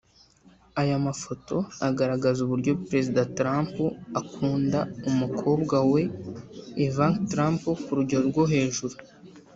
Aya mafoto agaragaza uburyo Perezida Trump akunda umukobwa we Ivanka Trump ku rugero rwo hejuru